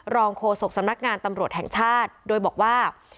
โฆษกสำนักงานตำรวจแห่งชาติโดยบอกว่า